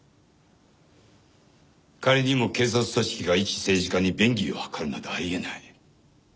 仮にも警察組織がいち政治家に便宜を図るなどあり得ない。